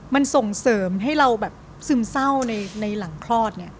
มันส่งเสริมให้เราแบบซึมเศร้าในหลังคลอดเนี่ย